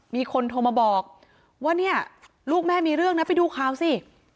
มีคนโทรมาบอกว่าเนี่ยลูกแม่มีเรื่องนะไปดูข่าวสิ